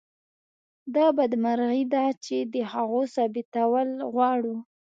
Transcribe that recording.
دا بدمرغي ده چې د هغو ثابتول غواړو.